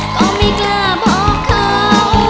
ก็ไม่กล้าเพราะเขา